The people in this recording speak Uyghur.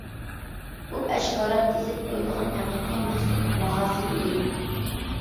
بۇ ئاشكارا تىزىپ قويۇلغان ھەقىقىي مەھسۇلاتنىڭ باھاسى ئىدى.